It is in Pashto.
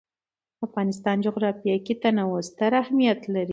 د افغانستان جغرافیه کې تنوع ستر اهمیت لري.